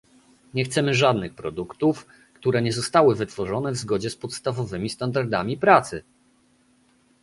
Nie chcemy żadnych produktów, które nie zostały wytworzone w zgodzie z podstawowymi standardami pracy!